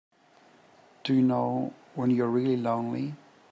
Do you know when you're really lonely?